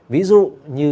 ví dụ như